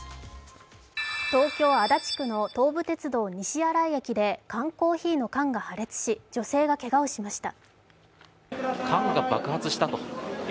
東京・足立区の東武鉄道・西新井駅で缶コーヒーの缶が破裂し、女性がけがをしました。